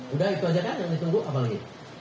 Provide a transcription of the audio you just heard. udah itu aja kan yang ditunggu apa lagi